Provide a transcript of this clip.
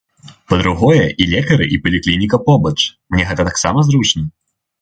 Па-другое, і лекары, і паліклініка побач, мне гэта таксама зручна.